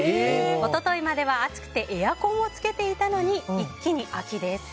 一昨日までは暑くてエアコンをつけていたのに一気に秋です。